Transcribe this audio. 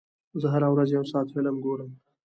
زه هره ورځ یو ساعت فلم ګورم.